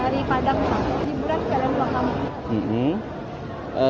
dari padang hiburan kalian paham